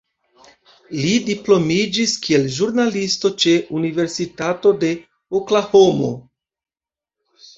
Li diplomiĝis kiel ĵurnalisto ĉe Universitato de Oklahomo.